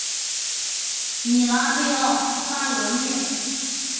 米拉贝奥巴罗涅。